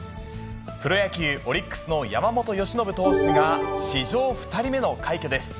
プロ野球・オリックスの山本由伸投手が、史上２人目の快挙です。